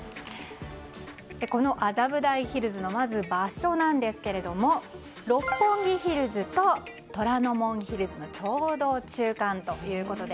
この麻布台ヒルズのまず場所なんですが六本木ヒルズと虎ノ門ヒルズのちょうど中間ということで。